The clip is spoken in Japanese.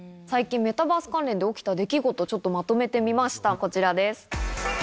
最近、メタバース関連で起きた出来事をちょっとまとめてみました、こちらです。